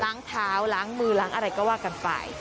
ล้างเท้าล้างมือล้างอะไรก็ว่ากันไป